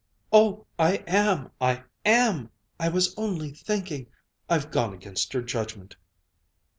"Oh, I am! I am! I was only thinking I've gone against your judgment."